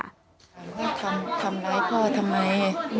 ถามว่าทำร้ายพ่อทำไม